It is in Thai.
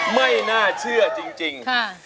ไม่น่าเชื่อจริง